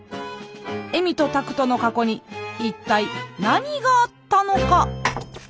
恵美と拓門の過去に一体何があったのか？